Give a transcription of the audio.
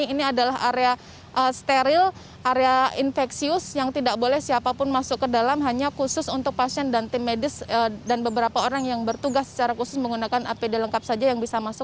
ini adalah area steril area infeksius yang tidak boleh siapapun masuk ke dalam hanya khusus untuk pasien dan tim medis dan beberapa orang yang bertugas secara khusus menghasilkan